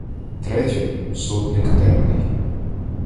Третьою — сотник Темний.